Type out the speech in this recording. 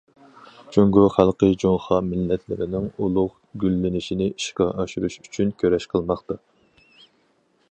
جۇڭگو خەلقى جۇڭخۇا مىللەتلىرىنىڭ ئۇلۇغ گۈللىنىشىنى ئىشقا ئاشۇرۇش ئۈچۈن كۈرەش قىلماقتا.